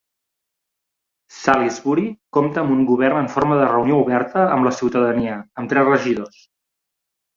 Salisbury compta amb un govern en forma de reunió oberta amb la ciutadania, amb tres regidors.